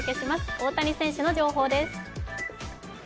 大谷選手の情報です。